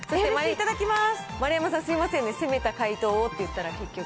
いただきます。